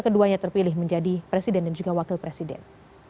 keduanya terpilih menjadi presiden dan juga wakil presiden